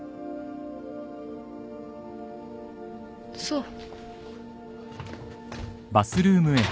そう。